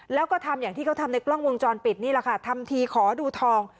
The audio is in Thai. แล้วก็ทำอย่างที่เขาทำในกล้องวงจรปิดนี่แหละค่ะทำทีขอดูทอง